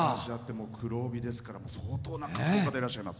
黒帯ですから相当な格闘家でいらっしゃいます。